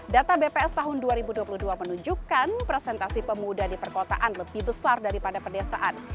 data bps tahun dua ribu dua puluh dua menunjukkan presentasi pemuda di perkotaan lebih besar daripada pedesaan